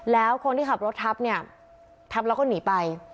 แล้วคนที่ขับรถทับเนี่ยทับแล้วก็หนีไป